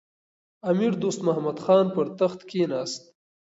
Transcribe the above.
امیر دوست محمد خان پر تخت کښېناست.